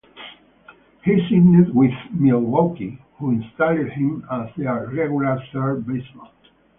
He signed with Milwaukee, who installed him as their regular third baseman.